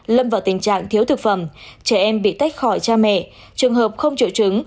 lâm vào tình trạng thiếu thực phẩm trẻ em bị tách khỏi cha mẹ trường hợp không triệu chứng